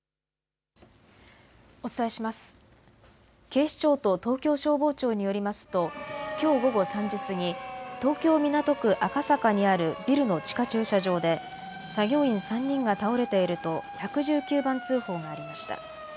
警視庁と東京消防庁によりますときょう午後３時過ぎ、東京港区赤坂にあるビルの地下駐車場で作業員３人が倒れていると１１９番通報がありました。